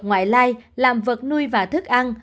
ngoại lai làm vật nuôi và thức ăn